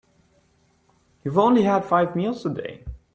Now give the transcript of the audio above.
You've only had five meals today.